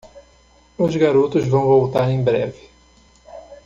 Os garotos vão voltar em breve.